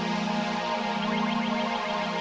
berarti setiap kantong ini isinya cuma satu hari itu aja